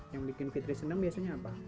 yang bikin fitri senang biasanya apa